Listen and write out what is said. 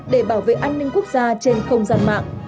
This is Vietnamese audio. để bảo vệ an ninh quốc gia trên không gian mạng